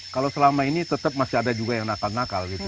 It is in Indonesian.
kalau selama ini masih ada yang nakal nakal